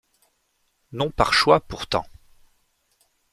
Non par choix pourtant.